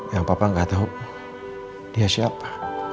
yang papa gak tau dia siapa